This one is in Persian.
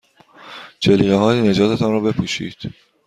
جلیقههای نجات تان را بپوشید.